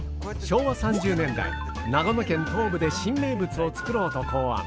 昭和３０年代長野県東部で新名物を作ろうと考案。